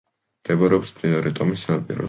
მდებარეობს მდინარე ტომის სანაპიროზე.